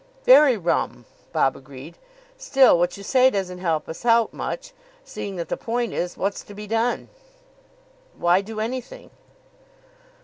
"Very rum," Bob agreed. "Still, what you say doesn't help us out much, seeing that the point is, what's to be done?" "Why do anything?"